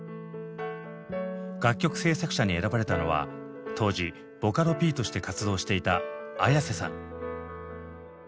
楽曲制作者に選ばれたのは当時ボカロＰとして活動していたＡｙａｓｅさん。